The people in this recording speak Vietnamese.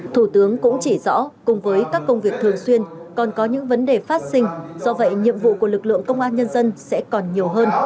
thủ tướng cũng chỉ rõ cùng với các công việc thường xuyên còn có những vấn đề phát sinh do vậy nhiệm vụ của lực lượng công an nhân dân sẽ còn nhiều hơn